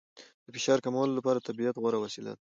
د فشار کمولو لپاره طبیعت غوره وسیله ده.